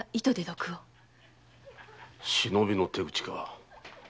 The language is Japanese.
忍びの手口か。